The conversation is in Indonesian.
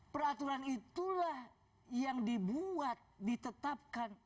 peraturan itulah yang dibuat ditetapkan